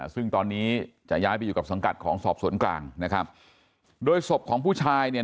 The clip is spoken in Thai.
ซึ่งตอนนี้จะย้ายไปอยู่กับสังกัดของสอบสวนกลางนะครับโดยศพของผู้ชายเนี่ย